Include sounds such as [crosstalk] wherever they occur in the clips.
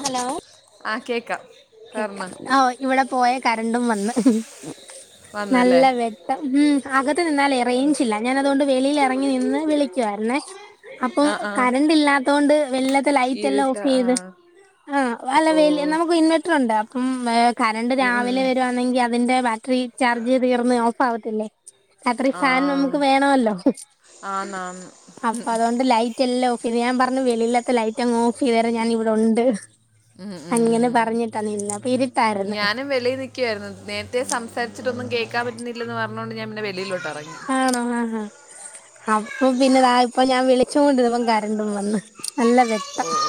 Hello ആഹ് കേക്കാം കേക്കാം കാരണം ആ ഇവടെ പോയ കരണ്ടും വന്ന് വന്നല്ലേ നല്ല വെട്ടം ഉം അകത്ത് നിന്നാലെ റേഞ്ചില്ല ഞാൻ അതുകൊണ്ട് വെളിൽ എറങ്ങി നിന്ന് വിളിക്കുവായിരുന്നേ അപ്പം ആ ആ കറണ്ട് ഇല്ലാത്ത കൊണ്ട് വെളിയിലത്തെ ലൈറ്റെല്ലാം ഇരുട്ട ഓഫ് ആ ചെയ്ത് ആഹ് അല്ല ഓ വല്യ നമുക്ക് ഇൻവെർട്ടറുണ്ട് അപ്പം ഏഹ് കറണ്ട് ഉം, ഉം. രാവിലെ വരുവാന്നെങ്കി അ അതിന്റെ ബാറ്ററി ചാർജ് തീർന്ന് ഓഫാവത്തില്ലേ രാത്രി ആ ഫാൻ നമുക്ക് വേണോല്ലോ ആന്നാന്ന് അപ്പൊ അതുകൊണ്ട് ലൈ റ്റെല്ലാം ഓഫെയ്ത് ഞാൻ പറഞ്ഞു വെളിയിലത്തെ ലൈറ്റ് അങ് ഓഫ് ചെയ്തരെ ഞാൻ ഇവിടെ ഉണ്ട് ഉം, അങ്ങനെ ഉം. പറഞ്ഞ് ഞാനും വെളിയി നി ക്കെയായിരുന്നു നേരത്തെ സംസാരിച്ചിട്ടൊന്നും കേൾക്കാൻ പറ്റുന്നില്ലെന്ന് പറഞ്ഞത് കൊണ്ട് ഞാൻ പിന്നെ വെളിയിലോട്ട ആണോ ആഹ് ഹാ അപ്പൊ പിന്നെ ഇതാ ഇപ്പ ഞാൻ വിളിച്ചോണ്ടിരുന്നപ്പോ കരണ്ടും വന്ന് നല്ലെ ഉം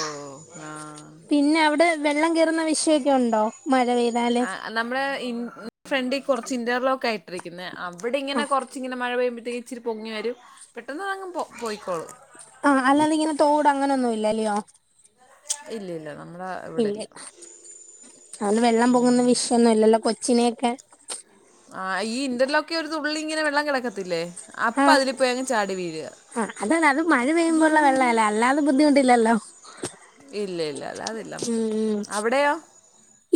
പിന്നെ അവിടെ വെള്ളം കയറുന്ന വിഷയൊക്കെ ഉണ്ടോ മഴ പെയ്താല് ആ, നമ്മുടെ ഇൻ ഫ്രണ്ടി കൊറച്ച് ഇന്റർലോക്ക ഇട്ടിരിക്കുന്നേ അവിടെങ്ങനെ ആഹ് കൊറച്ച് ഇങ്ങനെ മഴ പെയ്യുമ്പഴത്തേനും ഇച്ചിരി പൊങ്ങി വരും പെട്ടന്നങ് പൊ പോയിക്കോളും. ആഹ് അല്ലാതെ ഇങ്ങനെ തോട് അങ്ങനൊന്നും ഇല്ലല്ലയോ ഇല്ല ഇല്ല നമ്മളെ ഇല്ല അവന് വെള്ളം പൊങ്ങുന്ന വിഷയൊന്നും ഇല്ലല്ലോ കൊച്ചിനെയൊക്കെ ആഹ് ഈ ഇന്റർലോക്കി ഒരുതുള്ളിങ്ങനെ വെള്ളം കെടക്കത്തില്ലേ ആഹ് ആഹ് അത് നല്ല മഴ പെയ്യുമ്പോഴുള്ള വെള്ളല്ലേ അല്ലാതെ ബുദ്ധിമുട്ടില്ലല്ലോ ഇല്ല ഇല്ല അല്ലാതില്ല ഉം നമുക്ക് ഉം അവിടെയോ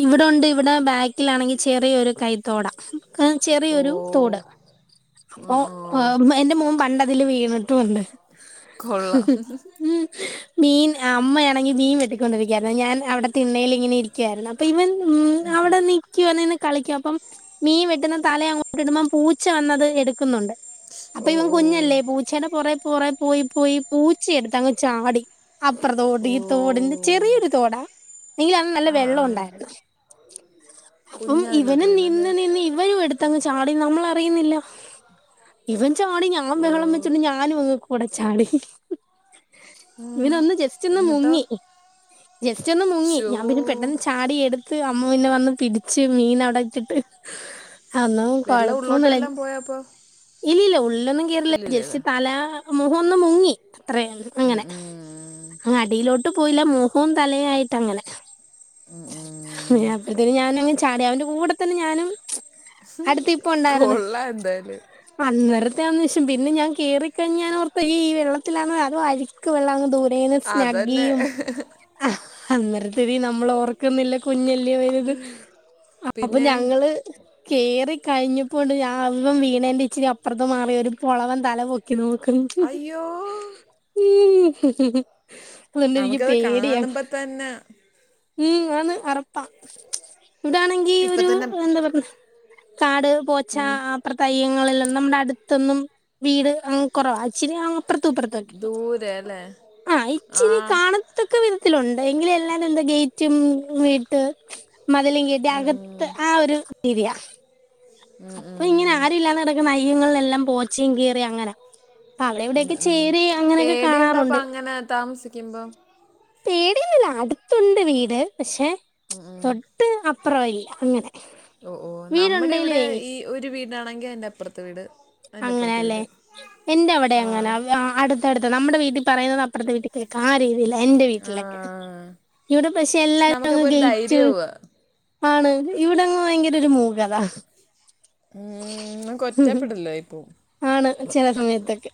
ഇവിടെ ഉണ്ട് ഇവിടെ ബാക്കിലാണെങ്കി ചെറിയൊരു കൈത്തോട ചെറിയൊരു തോട് ഓ ആ, ഓഹ് ഓ ഏഹ് എന്റെ മോൻ പണ്ടതില് വീണിട്ടും ഉണ്ട്. കൊള്ളാം ഉം മീൻ അമ്മയാണെങ്കി മീൻ വെട്ടിക്കൊണ്ടിരിക്കായിരുന്നു ഞാൻ അവിടെ തിണ്ണയിൽ ഇങ്ങനെ ഇരിക്കായിരുന്നു അ പ്പിവൻ ഉം അവിടെ നി ക്കുവാന്ന് കളിക്കും അപ്പം മീൻ വെട്ടുന്ന തല അങ്ങോട്ട് ഇടുമ്പോം പൂച്ച വന്നത് എടുക്കുന്നുണ്ട് അപ്പൊ ഓ ഇവൻ ഓ കുഞ്ഞല്ലേ പൂച്ചേയുടെ പൊറേ പോറ പോയി പോയി പൂച്ചയെടുത്തങ്ങ് ചാടി അപ്ര തോട് ഓ ഈ തോടിന്റെ ചെറിയൊരു തോടാ നിങ്കില് അന്ന് നല്ല ആ വെള്ളം ആ ഉണ്ടായിരുന്നു [inaudible] അപ്പം കുഞ്ഞ് അതിലോട്ട് ഇവനും വീണല്ലേ നിന്ന് നിന്ന് ഇവനും എടുത്തങ്ങ് ചാടി നമ്മൾ അറിയുന്നില്ല ഇവൻ ചാടി ഞങ്ങളും ഓ വഹളം വച്ചിട്ട് ഞ ഞാനുംഅങ്ങ് കൂടെ ചാടി ഉം. ഇങ്ങനൊന്ന് ജസ്റ്റ് ഒന്ന് എന്നിട്ടോ മുങ്ങി ജസ്റ്റ് ഒന്ന് മുങ്ങി, ചോ ഞാൻ പിന്നെ പെട്ടെന്ന് ചാടിയ അടുത്ത് അമ്മ പിന്നെ വന്ന് പിടിച്ച് മീൻ അവിട ഇട്ടിട്ട് അന്നും വെള്ളം ഉള്ളോട്ട് കൊഴപ്പവുംല എല്ലാം പോയപ്പോ ഇല്ലില്ല ഉള്ളൊന്നും കേയറില്ല ഇല്ലില്ലല്ലേ ജസ്റ്റ്‌ തല മുഖൊന്ന് മുങ്ങി അത്രയ ഉം ഉം അങ്ങനെ അടിയിലോട്ട് പോയില്ല മോഹവും തലയായിട്ട് അങ്ങനെ ഉം ഉം അപ്പഴത്തേന് ഞാന് അങ്ങ് ചാടി അവന്റെ കൂടെ തന്നെ ഞാനും അടുത്ത് ഇപ്പൊ ഉണ്ടായിരുന്നു കൊള്ളഎന്തായാലും അന്നേരത്തെ ആന്ന്ശം പിന്നെ ഞാൻ കേറിക്കഴിഞ്ഞാൻ ഓർത് ഈ ഈ വെള്ളത്തിലാണ് അതൊ അഴ്ക്ക് വെള്ളഅങ് ദൂരം ദൂരെന്ന് അതല്ലേ സ്നഗ്ഗിയും അന്നേരത്തെ തി നമ്മള് ഓർ ക്ക്ന്നില്ല കുഞ്ഞല്ലേ വല്തു അപ്പൊ പിന്നെ ഞങ്ങള് കേറി കഴിഞ്ഞപ്പോണ്ട് ഞം വീണേന്റെ ഇച്ചിരിഅപ്പുറത്ത മാറി ഒരു പുളവൻ തലപൊക്കി ക്കി നോക്ന്ന് അയ്യോ അതുകൊണ്ട് എനിക്ക് പേടിയ തന്ന ഉം അന്ന് അറപ്പാം ഇവിടാണെങ്കി ഇപ്പൊ ഒരു തന്നെ എന്താ പറ കാട് പോച്ച ഉം, അപ്രതയ്യങ്ങളിലൊന്നും നമ്മുടെ അടുത്തൊന്നും വീട് അങ് കുറവാ അച്ചരി അ അപ്പറത്തുംഇപ്പറതൊക്ക ദൂരെ അല്ലേ ആ ആ ഇച്ചിരി കാണ ത്തക്കെ വിധത്തിലുണ്ട് എങ്കിലും എല്ലാരും എന്താ ഗേറ്റും വീട്ട് മതിലും കേറ്റ് അകത്ത് ആ ഒരു രീതിയ ഉം, അപ്പൊ ഇങ്ങനെ ഉം, ആരല്ലാന്ന് കിടക്കുന്ന നയ്യങ്ങളെല്ലാം പോച്ചയും കീറിയ അങ്ങനെ അപ്പ അവിടെ ഉം, എവിടെയൊക്കെ ഉം. ചേരി അങ്ങനെയൊക്കെ പേടിയുണ്ടോ അപ്പൊ കാണാറുണ്ട് അങ്ങനെ താമസിക്കുമ്പോ പേടിയൊന്നുല്ല അടുത്തുണ്ട് വീട് പക്ഷെ തൊട്ട് അപ്പുറവഇല്ല അങ്ങനെ ഓ ഓ നമ്മുടെ ഇവിടെ വീടുണ്ടേലുവേ ഈ ഒരു വീടാണെങ്കിൽ അതിറ അപ്പുറത്തെ വീട് അതിന്റെ അങ്ങനെ അപ്പുറത്ത് അല്ലേ വീട് എന്റെ അവിടെ ആ അങ്ങന അടുത്തടുത്ത നമ്മുടെ വീട്ടിൽ പറയുന്നത് അപ്പുറത്തെ വീട്ടിൽ കേൾക്കാ ആ രീതിയില എൻറെ ആ വീട്ടിലൊക്കെ ഇവിടെ പക്ഷെ എല്ലാരും അങ്ങ് നമുക്കപ്പോ ഒരു ഗേറ്റ് ധൈര്യമാവുക ആണ് ഇവിടെങ്ങ് ഭയങ്കര ഒരു മൂകതാ മം ഇങ്ങക്ക്കൊറ്റപ്പെടലാ ഇപ്പൊ ആണ് ചില സമയത്ത്ഒക്കെ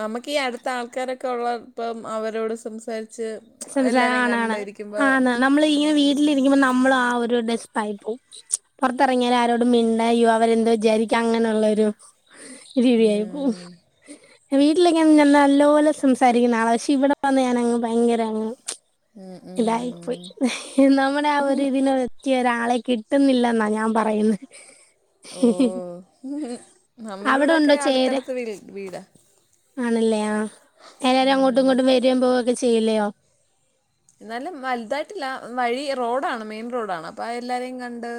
നമുക്ക്ീഈ അടുത്ത ആൾക്കാരൊക്കെ ഉള്ള ഇപ്പം അവരോട് സംസാരിച്ച് സംസാരം എല്ലാരെയും ആണാണ് കണ്ടിരിക്കുമ്പോ ആണ് നമ്മള് ഇങ്ങനെ വീട്ടിലിരിക്കുമ്പോ നമ്മള ആ ഒരു ഡെസ്പയി പോവും പുൊറത്തിറങ്ങിയാല ആരോടും മിണ്ടയ്യോ അവരെന്തോ വിചാരിക്കാ അങ്ങനെയുള്ളരു ഇരിയായിപ്പോ ഉം, വീട്ടിലൊക്ക ഞാൻ നല്ലോലെ സംസാരിക്കുന്ന ആളെ പക്ഷെ ഇവിടെ വന്ന് ഞൻങ്ങ് ഭയങ്കര ഉം ഉം, ഉം. ഇതായിപ്പോയി നമ്മുടെ ആ ഒരു ഇതിന പറ്റിയ ഒരാളെ കിട്ടുന്നില്ലെന്നാ ഞാൻ പറയുന്നത് ഓ നമ്മുടെ അവിടെ ഉണ്ടോ ഇവിടെയൊക്കെ ചേരാ അടുത്തടുത്ത് വീ വീടാ ആണല്ലേ ആ എല്ലാരും അങ്ങോട്ടും ഉം. ഇങ്ങോട്ടും വരു പോവൊക്കെ ചെയ്ലയോ എന്നാലും വലുതായിട്ടില്ല വഴി റോഡാണ് മെയിൻ റോഡാണ് അപ്പോം എല്ലാവരേും കണ്ട്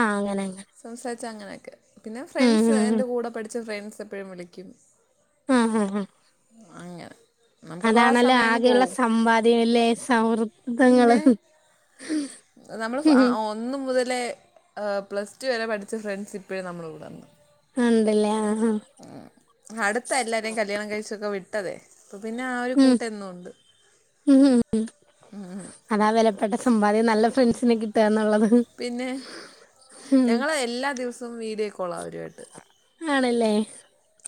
ആഹ് അങ്ങനെ അങ്ങനെ സംസാരിച്ച് അങ്ങനെയൊക്കെ പിന്നെ ഉം ഫ്രണ്ട്സ് ഉം ഉം എൻ്റെ കൂടെ പഠിച്ച ഫ്രണ്ട്സ് എപ്പോഴും വിളിക്കും ആഹ് ആഹ് ആഹ് അങ്ങെനെ അതാണല്ലോ ആകെയുള്ള സമ്പാദ്യം അല്ലെ സൗഹൃദങ്ങള് നമ്മള് ഫ ആ ഓ ഒന്ന് മുതലേ പ്ലസ് ടു വരെ പഠിച്ച ഫ്രണ്ട്സ് ഇപ്പോഴും നമ്മളെ കൂടെ ഉണ്ട് ഉണ്ടല്ലേ ആഹ് ആഹ് ഉം അടുത്താ എല്ലാരേും കല്യാണം കഴിച്ചൊക്കെ വിട്ടതേ അപ്പൊ പിന്നെ ആ ഒരു ഉം കൂട്ട് എന്നും ഉണ്ട് ഉം ഉം അതാ വിലപ്പെട്ട സമ്പാദ്യം നല്ല ഫ്രണ്ട്സിനെ കിട്ടിയത് എന്നുള്ളത് പിന്നെ ഉം ഞങ്ങൾ എല്ലാ ദിവസവും വീഡിയോ കോളാണ് അവരുമായിട്ട് ആണല്ലേ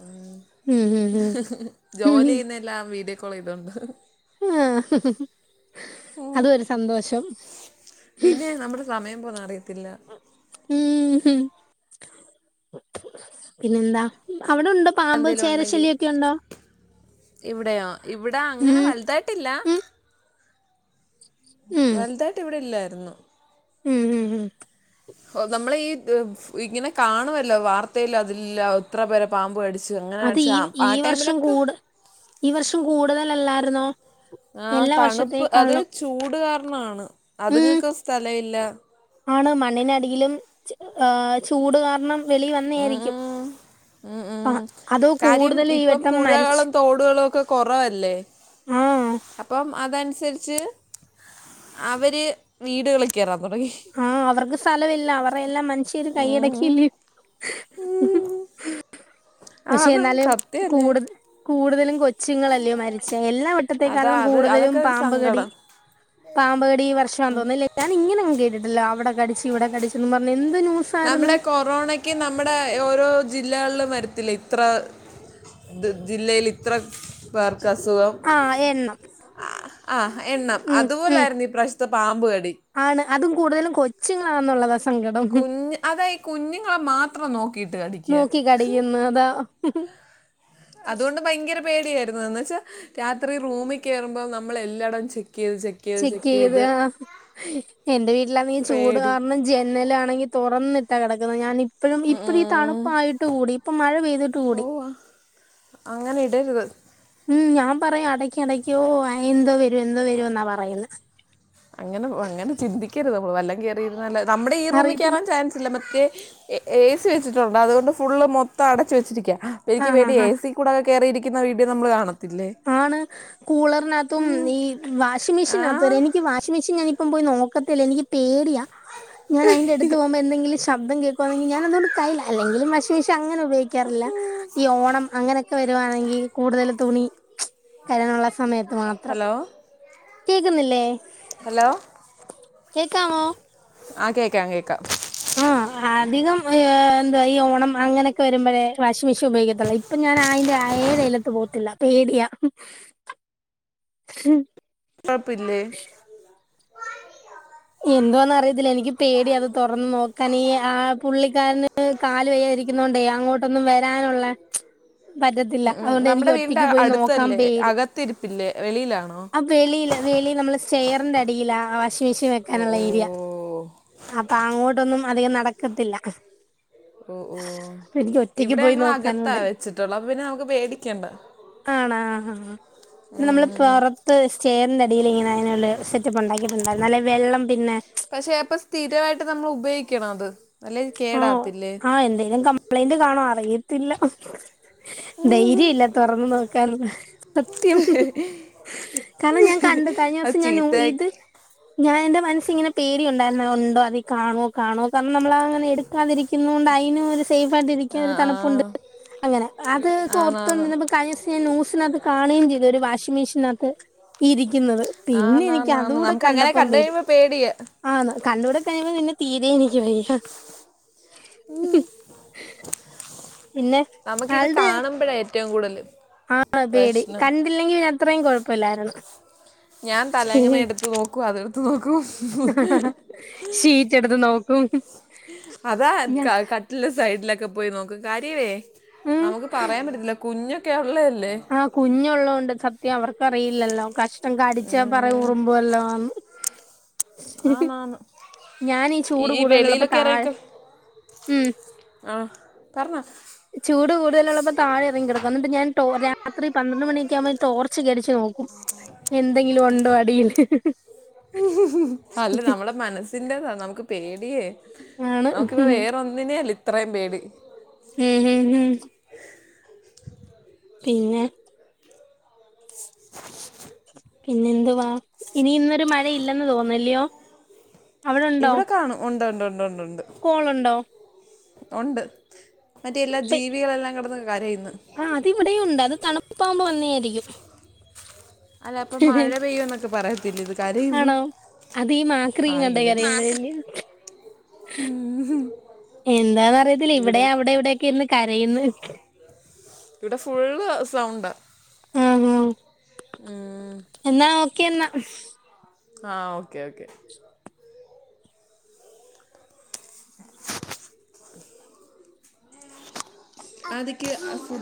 ഉം ഉം ഉം ഉം ഉം ജോലി ചെയ്യുന്ന എല്ലാം വീഡിയോ കോൾ ചെയ്തോണ്ട് ആഹ് അതൊരു സന്തോഷം പിന്നെ നമ്മുടെ സമയം പോനത് അറിയത്തില്ല ഉഉം പിന്നെന്താ അവിടെ ഉണ്ടോ പാമ്പും എന്തെങ്കിലും ഉണ്ടെങ്കിൽ ചേരശല്യൊക്കെ ഉണ്ടോ ഇവിടെയോ ഇവിടെ അങ്ങനെ ഉം വലുതായിട്ടില്ല ഉം ഉം വലുതായിട്ട് ഇവിടെ ഇല്ലായിരുന്നു ഉം ഉം ഉ ഓ നമ്മള ഈ ഇങ്ങനെ കാണുമല്ലോ വാർത്തയിൽ അതില്ല എത്ര പേരെ പാമ്പ് കടിച്ചു അങ്ങനെ ക അത് ടിച്ചു ഈ ആ ആ ഈ വർഷം ടൈമിലൊക്കെ കൂട് ഈ വർഷം കൂടുതലല്ലായിരുന്നോ ആഹ് എല്ലാ തണുപ്പ് അത് വർഷത്തേക്കാളും ചൂട് കാരണമാണ് ഉം അത്ങ്ങൾക്കും സ്ഥലം ഇല്ല ആണ് മണ്ണിനടിയിലും ഏ് ചൂട് കാരണം വെളിയിൽ ഉം വന്നായിരിക്കും ഉം. ഉം ഉം കാര്യം ഇപ്പൊ വട്ടം മരിച്ച് പുഴകളും തോടുകളും ഒക്കെ കുറവല്ലേ മ്മ് മ്മ് അപ്പൊ അതനുസരിച്ച് അവർ വീടുകളി ൽ കയറാൻ തുടങ്ങി ആഹ് അവർക്ക് സ്ഥലമില്ല അവരെയെല്ലാം മനഷ രു ഉം. കയടയില്ലേ ആ പക്ഷെ അത് എന്നാലും സത്യമല്ലേ കൂടുതല് കൂടുതലും കൊച്ചുങ്ങളല്ലയോ മരിചേ എല്ലാ അതാ വട്ടത്തേക്കാളിലും അത് കൂടുതലും അതൊക്കെ ഒരു പാബ് കടി സങ്കടം പാബ് കടി ഈ വർഷമാണെന്ന് തോന്നുന്നു ലെ ഞാൻ ഇങ്ങനെ അങ്ങ് കേട്ടി തല്ലാ അവിടെ കടിച്ച് ഇവിടെ കടിച്ചെന്നും പറഞ്ഞ് എന്ത് [unintelligible] നമ്മുടെ കൊറോണക്ക് നമ്മുടെ ഓരോ ജില്ലകളിലും വരത്തില്ലേ ഇത്ര ത് ജില്ലയിൽ ഇത്ര പേർക്ക് അസുഖം. ആഹ് എണ്ണം. ആഹ് ആഹ് എണ്ണം ഉം ഉം അതുപോലായിരുന്നു ഇപ്രാവശ്യത്തെ പാമ്പ് കടി. ആണ് അതും കൂടുതലും കൊച്ചുങ്ങളാണെന്നുള്ളതാ സങ്കടം. കുഞ്ഞ് അതാ ഈ കുഞ്ഞുങ്ങളെ മാത്രം നോക്കിയിട്ട് കടിക്കുക നോക്കി കടിക്കുന്നതാ. അതുകൊണ്ട് ഭയങ്കര പേടിയായിരുന്നു. എന്ന് വെച്ചാ രാത്രി റൂമി കേറുമ്പം നമ്മൾ എല്ലായിടം ചെക്ക് ചെയ്ത് ചെ ചെക്ക് ചെയ്ത് ആഹ്. എന്റെ വീട്ടിലാന്നെങ്കി ചൂട് പേടി കാരണം ജനലാണെങ്കി തുറന്നിട്ടാ കിടക്കുന്നെ. ഞാന് ഇപ്പഴും ഇപ്പഴും ഈ ഉം. തണുപ്പായിട്ട് കൂടി ഇപ്പം മഴ പെയ്തിട്ട് ഓ കൂടി. അങ്ങനെ ഇടര്ത്. ഉം ഞാൻ പറയും അടയ്ക്ക് അടയ്ക്കോ എന്തോ വരും എന്തോ വരുമെന്നാ പറയ്ന്നെ. അങ്ങനെ അങ്ങനെ ചിന്തിക്കരുത് നമ്മള്. വല്ലം കേറി ഇരുന്നാല് നമ്മുടെ ഈ റൂമിൽ അറിയത്തില്ല കേറാൻ ചാൻസില്ല മറ്റേ എ ഏ സി വെച്ചിട്ടുണ്ട് അതുകൊണ്ട് ഫുള്ള് മൊത്തം അടച്ച് വച്ചിരിക്ക്യാ അപ്പം എനിക്ക് ആഹ് വേണ്ടി ആഹ് എ ആഹ് സി കൂടൊക്ക കേറിയിരിക്കുന്ന വീഡിയോ നമ്മൾ കാണും. ആണ്. കൂളറിനകത്തും ഈ വാഷിംഗ് ആ മെഷീനകത്ത് വരെ എനിക്ക് വാഷിംഗ് മെഷീൻ ഞാനിപ്പം പോയി നോ ക്കത്തില്ല എനിക്ക് പേടിയാ. ഞാൻ അയ്ന്റെടുത്ത് പോവുമ്പോ എന്തെങ്കിലും ശബ്ദം കേക്കുവാണെങ്കി ഞാനതോണ്ട് കയ്യ്ലാ അല്ലെങ്കിലും വാഷിംഗ് മിഷീൻ അങ്ങനെ ഉപയോഗിക്കാറില്ല. ഈ ഓണം അങ്ങനെയൊക്കെ വരുവാണെങ്കി കൂടുതൽ തുണി കഴ്കാനുള്ള സമയത്ത് മാ ഹലോ. കേക്കുന്നില്ലേ? ഹലോ കേക്കാമോ? ആഹ് കേക്കാം കേക്കാ. ആഹ് അധികം ഏഹ് എന്താ ഈ ഓണം അങ്ങനെയൊക്കെ വരുമ്പഴേ. Washing machine ഉപയോഗിക്കത്തൊള്ളു. ഇപ്പം ഞാൻ അയ്ൻ്റെ എഴെയലത്ത് പോവത്തില്ല. പേടിയാ. പ്പപ്പില്ലേ എന്തുവാന്ന് അറിയത്തില്ല എനിക്ക് പേടി അത് തുറന്ന് നോക്കാന് ആഹ് പുള്ളിക്കാരന് കാല് വയ്യായിരി ക്ക്യ്ന്നോണ്ടേ അങ്ങോട്ടൊന്നും വരാനുള്ള പറ്റത്തില്ല. ഉം, ഉം. അതുകൊണ്ട് എനിക്ക് നമ്മുടെ വീടിൻ്റെ ഒറ്റക്ക് പോയി നോക്കാൻ അടുത്തല്ലേ പേടി. അകത്തിരിപ്പില്ലേ വെളിയിലാണോ? ആഹ് വെളിയില് വെളി നമ്മള് സ്റ്റെയറിന്റെ അടിയിലാ ആഹ് വാഷിംഗ് മെഷീൻ വെ ഓ ക്കാനുള്ള ഓ ഏരിയ. അപ്പ അങ്ങോട്ടൊന്നും അധികം നടക്കത്തില്ല. ഓഹ് ഓഹ്. അപ്പൊ എനിക്ക് ഒറ്റക്ക് ഇവിടെ പോയി ഞങ്ങള് അകത്താ നോക്കാനുള്ളത് വെച്ചിട്ടുള്ളെ അപ്പ പിന്നെ നമുക്ക് പേടിക്കണ്ട. ആണാ ആഹ് ഹ ഹാ. പിന്നെ നമ്മള് ഉം. പൊറത്ത് സ്റ്റെയറിന്റെ അടീല്ങ്ങനെ അയ്നുള്ളെ സെറ്റപ്പ് ഉണ്ടാക്കീട്ടുണ്ട്. എന്നാലേ വെള്ളം പിന്നെ, പക്ഷെ അപ്പം സ്ഥിരവായിട്ട് നമ്മൾ ഉപയോഗിക്കണം അത് അല്ലേ ആഹ് കേടാവത്തില്ലേ. ആഹ് എന്തേലും കംപ്ലൈന്റ് കാണോ അറിയത്തില്ല. ധൈര്യം ഇല്ല തുറന്ന് നോക്കാനൊന്ന് സത്യം. കാരണം ഞാൻ കണ്ട് അത് കഴിഞ്ഞോസം ഞാൻ നൂ ഇത്. ചീത്തയാക്കി ഞാൻ എന്റെ മനസ്സി ഇങ്ങനെ പേടി ഉണ്ടായിരുന്നു ഉണ്ടോ അതീ കാണുവോ കാണുവോ കാരണം നമ്മളങ്ങനെ എടു ക്കാതിരിക്കുന്നോണ്ട് അയ്നും ഒര് സേഫായിട്ട് ഇരിക്ക്യാൻ ആ ഒരു ആ തണുപ്പുണ്ട് അങ്ങനെ. അത് ആന്നാന്ന് ഒന്നോർത്തോണ്ടിര്ന്നപ്പം കയിഞ്ഞോസം ന്യൂസിനകത്ത് കാണുകയും ചെയ്തു ഒരു വാഷിംഗ് മെഷിനകത്ത് ഇരിക്കുന്നത്. പിന്നെ എനിക്ക് ആന്നാന്നാന്ന് അതൂടെ നമുക്ക് അങ്ങനെ കണ്ടപ്പം കണ്ടു പേടി. കഴിയുമ്പോ പേടിയാ ആഹ് കണ്ടൂടെ കഴിഞ്ഞപ്പം പിന്നെ തീരെ എനിക്ക് വയ്യ. ഉ പിന്നെ നമുക്കിത് കാണുമ്പോഴാ ഏറ്റവും കൂടുതല്. ആഹ് പേടി കണ്ടില്ലെങ്കി അത്രയും കുഴപ്പമില്ലാരുന്നു. ഞാൻ തലങ്ങന എടുത്ത് നോക്കൂ അതെടുത്ത നോക്കൂ. ഷീറ്റ് എടുത്ത് നോക്കും. അതാ ഞാ ക ക്കാ. ട്ടിലെ സൈഡിലൊക്കെ പോയി നോക്ക് കാര്യമേ ഉം നമുക്ക് പറയാൻ പറ്റത്തില്ല കുഞ്ഞൊക്കെ ഉള്ളതല്ലേ. ആഹ് കുഞ്ഞള്ളതോണ്ട് സത്യം അവർക്കറിയില്ലല്ലോ കഷ്ടം കടിച്ചാ പറ ഉം. റുമ്പുവല്ലോ. ആന്നാന്ന് ഞാനി ഈ ചൂട് ഈ കൂടുതലുള്ളപ്പോ വെളിയിലൊക്കെ താഴെ ഇറങ്ങിക്കോ ഉം. ആഹ് പറഞ്ഞോ ചൂട് കൂടുതലുള്ളപ്പോ താഴെറങ്ങിക്ക കിടക്കും എന്നിട്ട് ഞാൻ രാത്രി പന്ത്രണ്ട് മണിയൊക്കെ ആകുമ്പോ ടോർച്ച് അടിച്ച് നോക്കും. എന്തെങ്കിലും ഉണ്ടോ അടിൽ. അല്ല നമ്മളെ നമുക്ക് പേടിയേ ആണ് നമുക്കിപ്പ ഉം വേറൊന്നിനെയല്ല ഇത്രയും പേടി. ഉം ഉം ഉം പിന്നെ. പിന്നെ എന്തുവാ ഇനി ഇന്നൊരു മഴ ഇല്ലെന്ന് തോന്നലയോ. ഇവിടെ കാണും ഉണ്ട് ഉണ്ട് ഉണ്ട് ഉണ്ട്ണ്ട് കോളുണ്ടോ ഉണ്ട് മറ്റേ എല്ലാ ജീവികളെല്ലാം കിടന്ന് കരയുന്നു ആഹ് അത് ഇവിടെ ഉണ്ട് അത് തണുപ്പാകുമ്പോ വന്നേ ആയിരിക്കും അല്ല അപ്പൊ മഴ പെയ്യൂ എന്നൊക്കെ പറയത്തില്ല ഇത് കരയുന്നു ആണോ അതെ ആ മാക്രയും കണ്ട ഇങ്ങനെ കറിയുമ്പോഴല്ല എന്താന്ന്റിയത്തില്ല ഇവിടെ അവിടെ ഇവിടെൊക്കെ ഇന്ന് കരയന്ന് ഇവിടെ ഫുള് സൗണ്ട് ആ ന്നോ ഉം എന്നാ ഒക്കെ എന്നാ അഹ് ഓക്കേ ഓക്കേ [unintelligible]